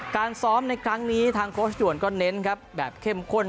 การซ้อมในครั้งนี้ทางโค้ชด่วนก็เน้นครับแบบเข้มข้น